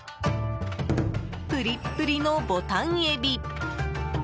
プリップリのボタンエビ。